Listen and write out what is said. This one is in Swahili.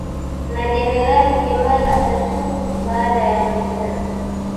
na jenerali Kemal Ataturk baada ya vita